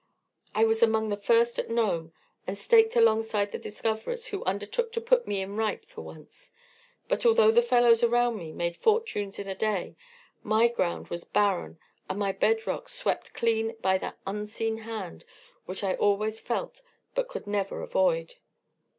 "I was among the first at Nome and staked alongside the discoverers, who undertook to put me in right for once; but although the fellows around me made fortunes in a day, my ground was barren and my bed rock swept clean by that unseen hand which I always felt but could never avoid.